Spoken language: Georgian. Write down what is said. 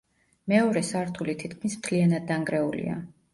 მეორე სართული თითქმის მთლიანად დანგრეულია.